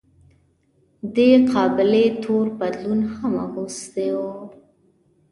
دې قابلې تور پتلون هم اغوستی و.